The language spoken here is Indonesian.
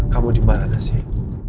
kamu di mana sih